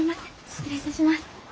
失礼いたします。